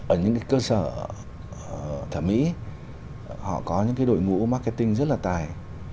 ở những cái cơ sở thẩm mỹ họ có những cái đội ngũ marketing rất là tài